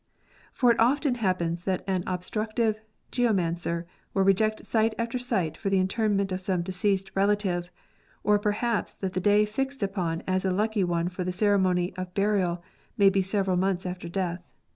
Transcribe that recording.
For it often happens that an obstructive geomancer will reject site after site for the interment of some deceased relative, or perhaps that the day fixed upon as a lucky one for the ceremony of burial may be several months after death.